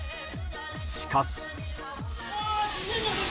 しかし。